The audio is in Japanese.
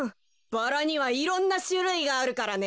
バラにはいろんなしゅるいがあるからね。